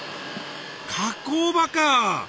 加工場か。